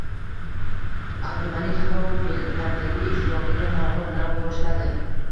Abdumalik Halokov Belgraddagi ishtirokini g‘alaba bilan boshladi